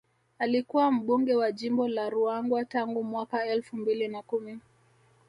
Alikuwa mbunge wa jimbo la Ruangwa tangu mwaka elfu mbili na kumi